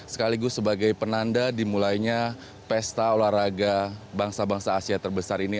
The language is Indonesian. sekaligus sebagai penanda dimulainya pesta olahraga bangsa bangsa asia terbesar ini